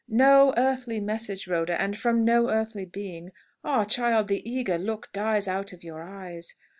"No earthly message, Rhoda, and from no earthly being. Ah, child, the eager look dies out of your eyes!